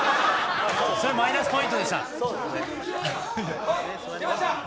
それマイナスポイントでした。